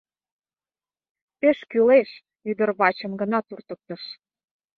— Пеш кӱлеш! — ӱдыр вачым гына туртыктыш.